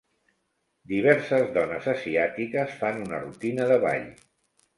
Diverses dones asiàtiques fan una rutina de ball.